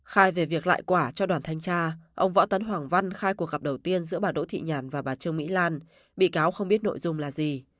khai về việc lại quả cho đoàn thanh tra ông võ tấn hoàng văn khai cuộc gặp đầu tiên giữa bà đỗ thị nhàn và bà trương mỹ lan bị cáo không biết nội dung là gì